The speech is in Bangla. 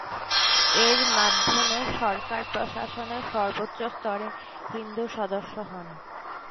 এর মাধ্যমে সরকার প্রশাসনে সর্বোচ্চ স্তরের হিন্দু সদস্য হন।